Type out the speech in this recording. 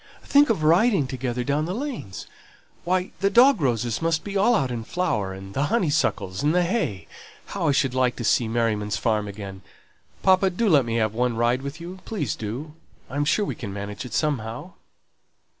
"Think of riding together down the lanes why, the dog roses must be all out in flower, and the honeysuckles, and the hay how I should like to see Merriman's farm again! Papa, do let me have one ride with you! Please do. I'm sure we can manage it somehow."